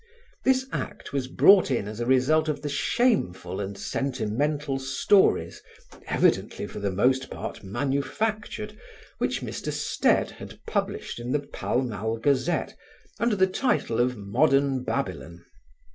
This Act was brought in as a result of the shameful and sentimental stories (evidently for the most part manufactured) which Mr. Stead had published in The Pall Mall Gazette under the title of "Modern Babylon."